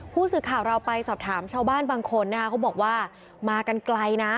ผู้สื่อข่าวเราไปสอบถามชาวบ้านบางคนนะคะเขาบอกว่ามากันไกลนะ